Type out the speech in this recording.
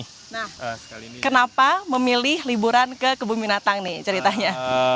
nah kenapa memilih liburan ke kebun binatang nih ceritanya